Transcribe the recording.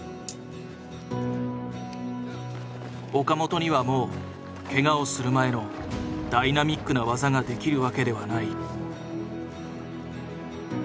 岡本にはもうケガをする前のダイナミックな技ができるわけではない。